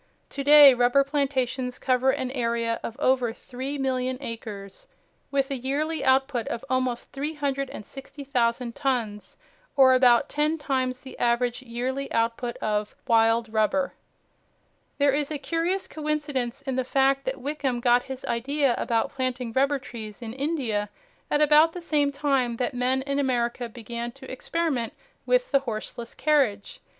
To day rubber plantations cover an area of over 3,000,000 acres, with a yearly output of almost 360,000 tons, or about ten times the average yearly output of "wild rubber." There is a curious coincidence in the fact that Wickham got his idea about planting rubber trees in India at about the same time that men in America began to experiment with the horseless carriage.